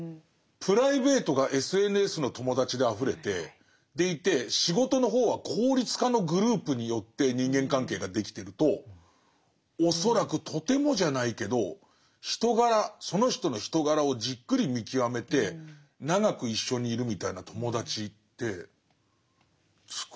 プライベートがＳＮＳの友達であふれてでいて仕事の方は効率化のグループによって人間関係ができてると恐らくとてもじゃないけど人柄その人の人柄をじっくり見極めて長く一緒にいるみたいな友達ってつくれない。